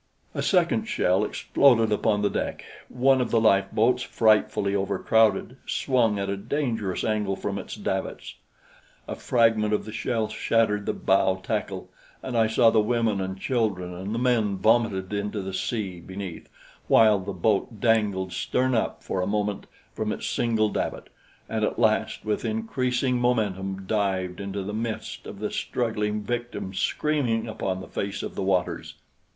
A second shell exploded upon the deck. One of the lifeboats, frightfully overcrowded, swung at a dangerous angle from its davits. A fragment of the shell shattered the bow tackle, and I saw the women and children and the men vomited into the sea beneath, while the boat dangled stern up for a moment from its single davit, and at last with increasing momentum dived into the midst of the struggling victims screaming upon the face of the waters.